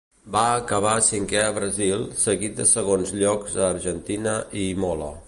Va acabar cinquè a Brasil, seguit de segons llocs a Argentina i Imola.